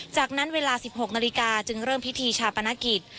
จากนั้นเวลา๑๖นาฬิกาจึงเริ่มพิธีชาปนกิจ